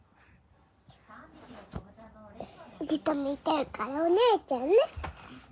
ずっと見てるからお姉ちゃんね。